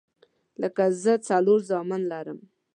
لکه زه څلور زامن لرم